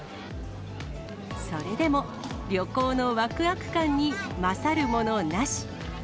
それでも、旅行のわくわく感に勝るものなし。